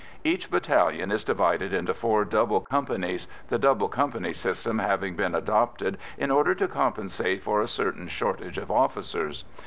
Each battalion is divided into four double companies, the "double company system" having been adopted in order to compensate for a certain shortage of officers.